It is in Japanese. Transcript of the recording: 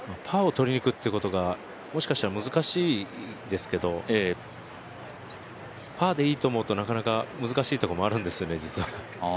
パーをとりにいくということが、もしかしたら難しいですけれども、パーでいいと思うと、なかなか難しいところもあるんですよね。